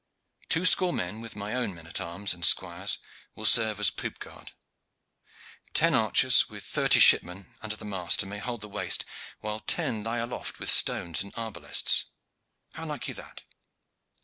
Two score men, with my own men at arms and squires, will serve as a poop guard. Ten archers, with thirty shipmen, under the master, may hold the waist while ten lie aloft with stones and arbalests. How like you that?"